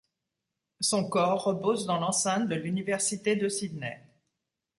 Son corps repose dans l'enceinte de l'Université de Sydney.